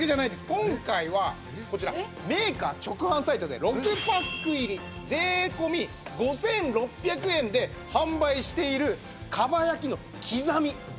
今回はこちらメーカー直販サイトで６パック入り税込５６００円で販売しているかば焼きのきざみ。